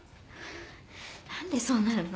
何でそうなるの？